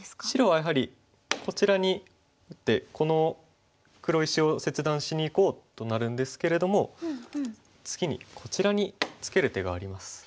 白はやはりこちらに打ってこの黒石を切断しにいこうとなるんですけれども次にこちらにツケる手があります。